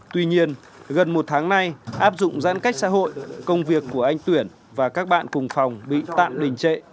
tuy nhiên gần một tháng nay áp dụng giãn cách xã hội công việc của anh tuyển và các bạn cùng phòng bị tạm đình trệ